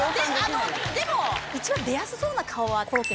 でも一応。